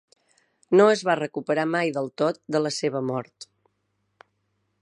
No es va recuperar mai del tot de la seva mort.